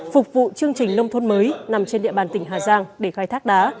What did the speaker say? phục vụ chương trình nông thôn mới nằm trên địa bàn tỉnh hà giang để khai thác đá